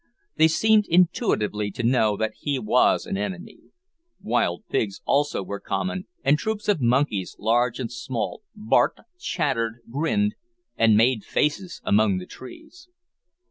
They seemed intuitively to know that he was an enemy. Wild pigs, also, were common, and troops of monkeys, large and small, barked, chattered, grinned, and made faces among the trees.